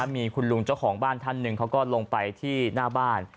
มีคุณลุงเจ้าของบ้านท่านหนึ่งเขาก็ลงไปที่หน้าบ้าน